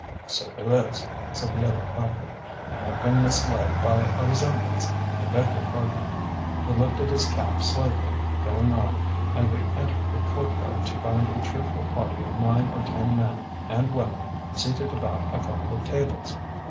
"So there is," said the other promptly. "I have been misled by a resemblance. I beg your pardon." He lifted his cap slightly, going on, and we entered the courtyard to find a cheerful party of nine or ten men and women seated about a couple of tables.